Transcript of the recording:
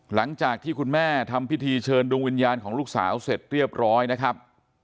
หลังจากที่คุณแม่ทำพิธีเชิญดวงวิญญาณของลูกสาวเสร็จเรียบร้อยนะครับ